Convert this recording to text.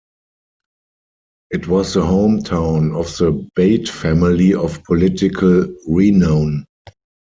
It was the home town of the Bate family of political renown.